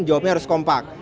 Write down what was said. jawabnya harus kompak